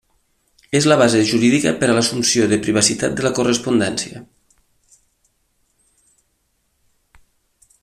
És la base jurídica per a l'assumpció de privacitat de la correspondència.